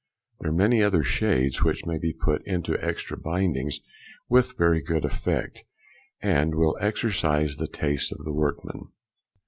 There are many other shades which may be put into extra bindings with very good effect, and will exercise the taste of the workman.